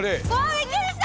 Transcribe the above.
びっくりした。